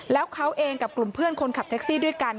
แล้วเขาเองกับกลุ่มเพื่อนคนขับแท็กซี่ด้วยกัน